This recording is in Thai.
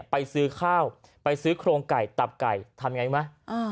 ไปซื้อข้าวไปซื้อโครงไก่ตับไก่ทำไงรู้ไหม